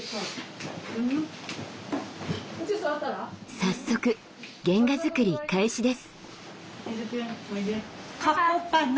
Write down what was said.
早速原画作り開始です。